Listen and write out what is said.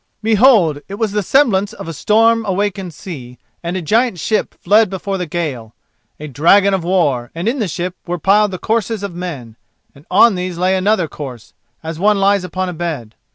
Behold! it was the semblance of a storm awakened sea, and a giant ship fled before the gale—a dragon of war, and in the ship were piled the corses of men, and on these lay another corse, as one lies upon a bed.